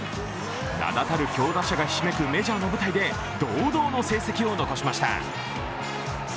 名だたる強打者がひしめくメジャーの舞台で堂々の成績を残しました。